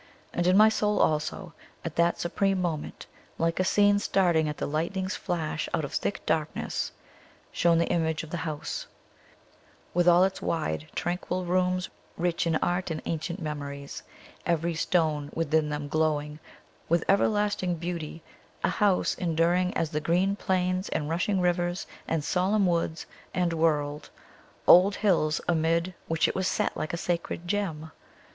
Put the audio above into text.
And in my soul also, at that supreme moment, like a scene starting at the lightning's flash out of thick darkness, shone the image of the house, with all its wide, tranquil rooms rich in art and ancient memories, every stone within them glowing, with everlasting beauty a house enduring as the green plains and rushing rivers and solemn woods and world old hills amid which it was set like a sacred gem!